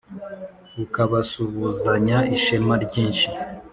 ukabasubuzanya ishema ryinshi